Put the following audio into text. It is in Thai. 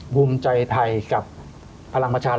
ภูมิใจไทยกับพลังประชารัฐ